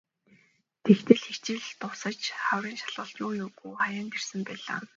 Тэгтэл ч хичээл дуусаж хаврын шалгалт юу юугүй хаяанд ирсэн байлаа.